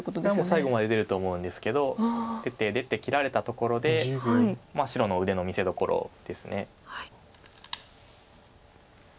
最後まで出ると思うんですけど出て出て切られたところで白の腕の見せどころです。